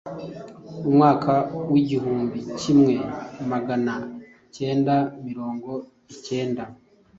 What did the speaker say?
umwaka w’igiumbi kimwe magana kenda mirongo ikenda